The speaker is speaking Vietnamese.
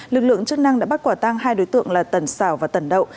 lực lượng chức năng đã bắt quả tang hai đối tượng là tần xảo và tần đậu